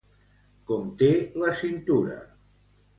Com té la cintura?